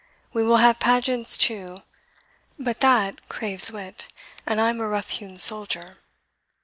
We will have pageants too but that craves wit, And I'm a rough hewn soldier.